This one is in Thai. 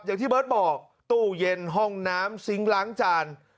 อย่างที่เบิร์ตบอกตู้เย็นห้องน้ำซิงค์ล้างจาน